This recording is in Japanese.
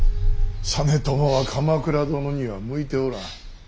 実朝は鎌倉殿には向いておらん。